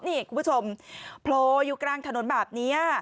นี่คุณผู้ชมโผล่อยู่กลางถนนแบบนี้